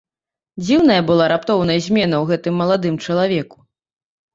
Дзіўная была раптоўная змена ў гэтым маладым чалавеку.